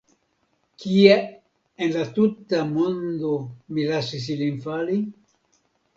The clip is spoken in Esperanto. Kie en la tuta mondo mi lasis ilin fali?